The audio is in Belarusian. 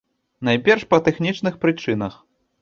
Найперш па тэхнічных прычынах.